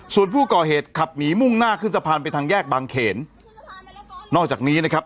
ส่วนผู้ก่อเหตุขับหนีมุ่งหน้าขึ้นสะพานไปทางแยกบางเขนนอกจากนี้นะครับ